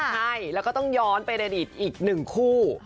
ใช่แล้วก็ต้องย้อนเป็นอีกหนึ่งคู่